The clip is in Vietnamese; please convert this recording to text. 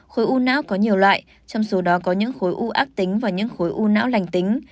khối u não có nhiều loại trong số đó có những khối u ác tính và những khối u não lành tính